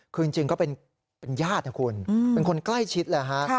คือจริงก็เป็นญาตินะคุณเป็นคนใกล้ชิดแหละฮะ